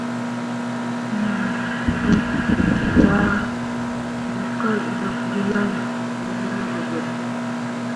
Mo rǝkʼgah ke lalle yo ruuɓe.